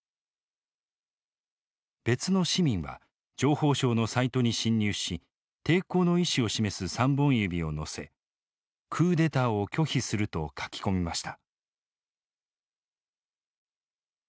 別の市民は情報省のサイトに侵入し抵抗の意思を示す３本指を載せ「クーデターを拒否する」と書き込みました。